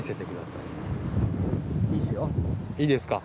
いいですか。